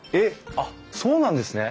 あっそうなんですね！